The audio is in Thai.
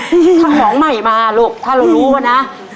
ถ้าของใหม่มาลูกถ้าเรารู้ว่านะ